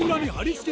あれ。